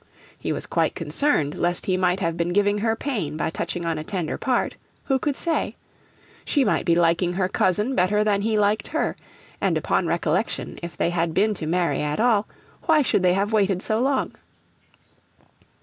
He was quite concerned lest he might have been giving her pain by touching on a tender part who could say? She might be liking her cousin better than he liked her; and, upon recollection, if they had been to marry at all, why should they have waited so long?